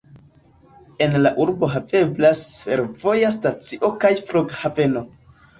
En la urbo haveblas fervoja stacio kaj flughaveno.